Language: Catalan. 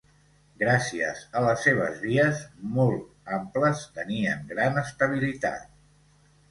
Gràcies a les seves vies, molt amples, tenien gran estabilitat.